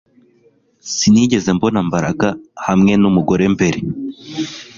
Sinigeze mbona Mbaraga hamwe numugore mbere